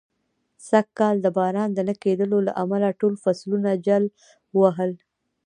سږ کال د باران د نه کېدلو له امله، ټول فصلونه جل و وهل.